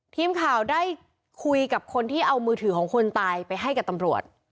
ทีมข่าวได้คุยกับคนที่เอามือถือของคนตายไปให้กับตำรวจ